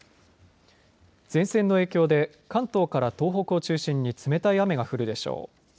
前線の影響で関東から東北を中心に冷たい雨が降るでしょう。